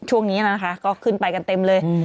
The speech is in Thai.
ช่วงนี้นะคะก็ขึ้นไปกันเต็มเลย